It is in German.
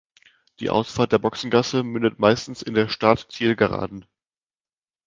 Die Ausfahrt der Boxengasse mündet meistens in der Start-Ziel-Geraden.